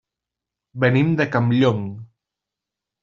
Venim de Campllong.